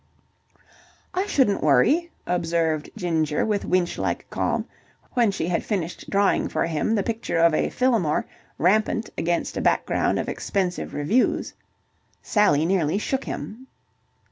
"I shouldn't worry," observed Ginger with Winch like calm, when she had finished drawing for him the picture of a Fillmore rampant against a background of expensive revues. Sally nearly shook him.